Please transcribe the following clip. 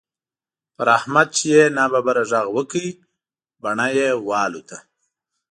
پر احمد چې يې ناببره غږ وکړ؛ بڼه يې والوته.